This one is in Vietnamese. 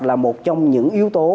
là một trong những yếu tố